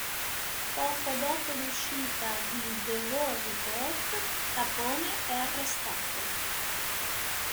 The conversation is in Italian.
Poco dopo l'uscita di "The War Report", Capone è arrestato.